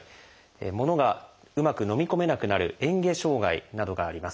物がうまくのみ込めなくなる「嚥下障害」などがあります。